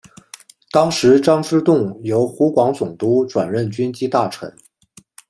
当时张之洞由湖广总督转任军机大臣。